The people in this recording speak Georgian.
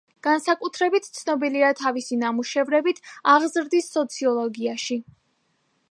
განსაკუთრებით ცნობილია თავისი ნამუშევრებით აღზრდის სოციოლოგიაში.